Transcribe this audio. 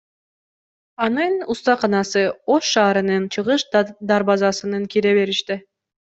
Анын устаканасы Ош шаарынын чыгыш дарбазасынан кире бериште.